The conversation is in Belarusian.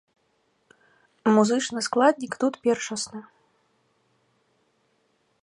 Музычны складнік тут першасны.